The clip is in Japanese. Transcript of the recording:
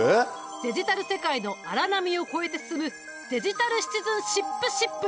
デジタル世界の荒波を越えて進むデジタルシチズンシップシップだ。